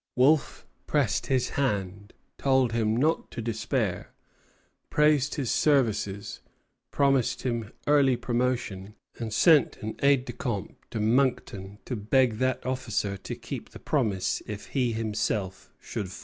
Wolfe pressed his hand, told him not to despair, praised his services, promised him early promotion, and sent an aide de camp to Monckton to beg that officer to keep the promise if he himself should fall.